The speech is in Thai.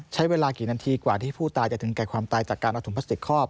ใช้เวลากี่นาทีกว่าที่ผู้ตายจะถึงแก่ความตายจากการเอาถุงพลาสติกครอบ